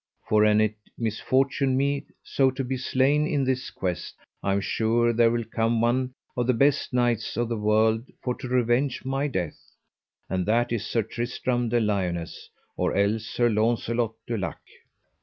For an it misfortune me so to be slain in this quest I am sure there will come one of the best knights of the world for to revenge my death, and that is Sir Tristram de Liones, or else Sir Launcelot du Lake.